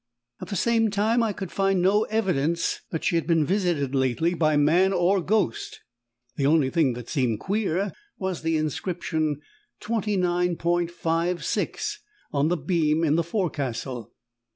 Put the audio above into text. At the same time I could find no evidence that she had been visited lately by man or ghost. The only thing that seemed queer was the inscription "29.56" on the beam in the forecastle.